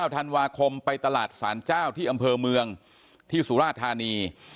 ธันวาคมไปตลาดสารเจ้าที่อำเภอเมืองที่สุราธานี